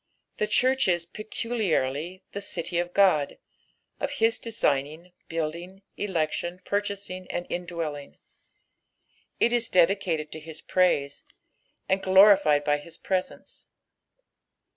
The church is peculiarly the " OUy of Ood," of his designing, building, election, purchasing and in dwelling. It is dedicated to his praise, and glorified by his presence.